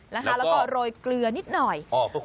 แล้วก็โรยเกลือนิดหน่อย